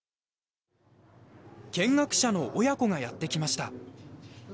見学者の親子がやって来ました。